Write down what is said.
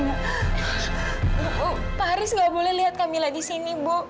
bu pak haris gak boleh lihat kak mila disini bu